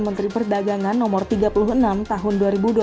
menteri perdagangan nomor tiga puluh enam tahun dua ribu dua puluh